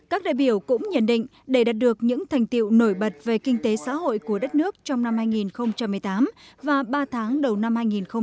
các đại biểu cũng nhận định để đạt được những thành tiệu nổi bật về kinh tế xã hội của đất nước trong năm hai nghìn một mươi tám và ba tháng đầu năm hai nghìn một mươi chín